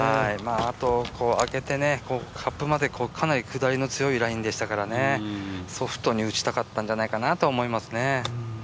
あと、あけてね、カップまでかなり下りの強いラインでしたからソフトに打ちたかったんじゃないかなと思いますね。